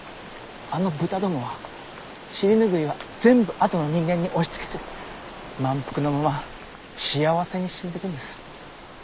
あのブタどもは尻ぬぐいは全部あとの人間に押しつけて満腹のまま幸せに死んでいくんです。